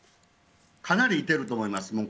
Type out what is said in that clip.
かなりいてると思います。